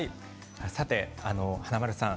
さて華丸さん